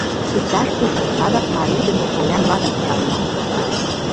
Иктаж-кушто садак марийдыме поян ватым кычал муам!